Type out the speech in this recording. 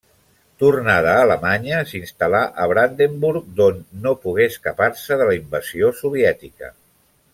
Tornada a Alemanya s'instal·là a Brandenburg d'on no pogué escapar-se de la invasió soviètica.